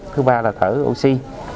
thứ ba là thở oxy